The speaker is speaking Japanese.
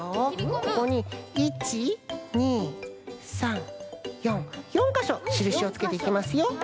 ここに１２３４４かしょしるしをつけていきますよ。